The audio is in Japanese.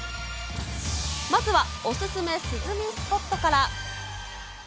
まずはお勧め涼みスポットから。